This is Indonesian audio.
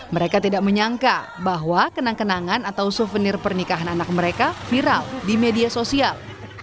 mereka tidak menyangka bahwa kenang kenangan atau souvenir pernikahan anak mereka viral di media sosial